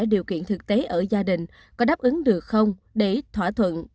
điều kiện thực tế ở gia đình có đáp ứng được không để thỏa thuận